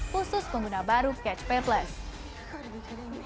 khusus pengguna baru catch play plus